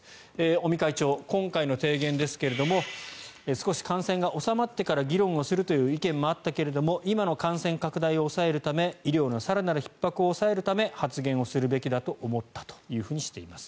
尾身会長、今回の提言ですが少し感染が収まってから議論をするという意見もあったけれども今の感染拡大を抑えるため医療の更なるひっ迫を抑えるため発言をするべきだと思ったというふうにしています。